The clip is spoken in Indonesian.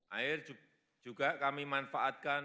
air juga kami manfaatkan